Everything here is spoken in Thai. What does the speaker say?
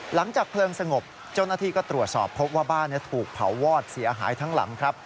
หลังจากเพลิงสงบเจ้าหน้าที่ก็ตรวจสอบพบว่าบ้านถูกเผาวอดเสียหายทั้งหลังครับ